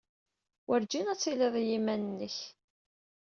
Werjin ad tiliḍ i yiman-nnek.